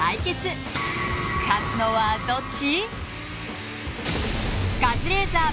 勝つのはどっち！？